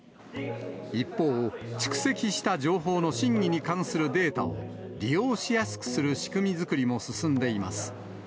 一方、蓄積した情報の真偽に関するデータを、利用しやすくする仕組み作りも進んでいます。